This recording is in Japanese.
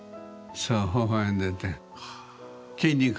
そうほほ笑んでて。